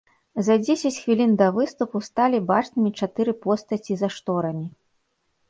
За дзесяць хвілін да выступу сталі бачнымі чатыры постаці за шторамі.